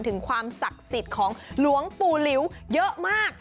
ถึงความศักดิ์สิทธิ์ของหลวงปู่หลิวเยอะมาก